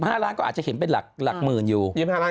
๕ล้านก็อาจจะเห็นเป็นหลักหมื่นอยู่